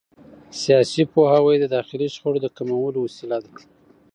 سیاسي پوهاوی د داخلي شخړو د کمولو وسیله ده